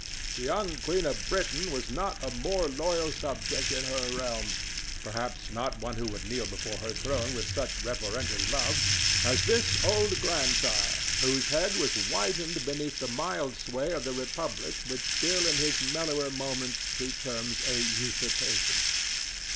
The young queen of Britain has not a more loyal subject in her realm—perhaps not one who would kneel before her throne with such reverential love—as this old grandsire whose head has whitened beneath the mild sway of the republic which still in his mellower moments he terms a usurpation.